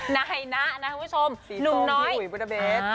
แนน่ะนะคุณผู้ชม